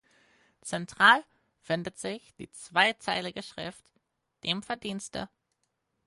Zentral findet sich die zweizeilige Schrift "Dem Verdienste".